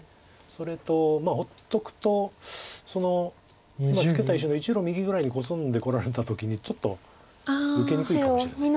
それと放っとくと今ツケた石の１路右ぐらいにコスんでこられた時にちょっと受けにくいかもしれない。